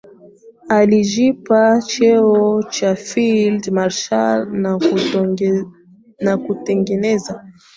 Alijipa cheo cha field marshall na kutengeneza